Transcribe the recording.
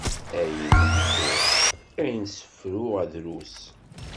Ayen ḥkuɣ, ayen sefruɣ drus.